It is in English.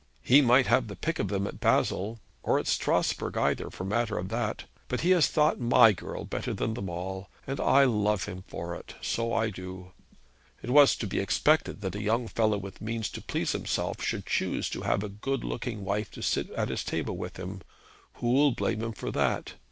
He might have had the pick of them at Basle, or at Strasbourg either, for the matter of that; but he has thought my girl better than them all; and I love him for it so I do. It was to be expected that a young fellow with means to please himself should choose to have a good looking wife to sit at his table with him. Who'll blame him for that?